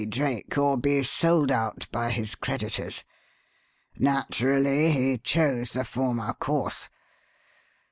Drake or be sold out by his creditors. Naturally, he chose the former course.